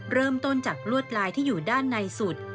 เริ่มต้นจากลวดลายที่อยู่ด้านในสุด